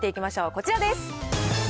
こちらです。